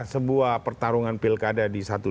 sebuah pertarungan pilkada di satu